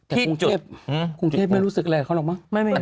แต่กรุงเทพฯไม่รู้สึกอะไรหรอกมั้ง